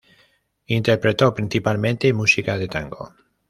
Interpretó principalmente música de tango.